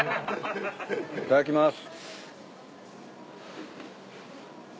いただきます。